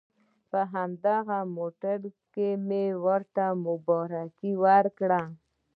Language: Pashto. په هماغه موټر کې مو ورته مبارکي ورکړه.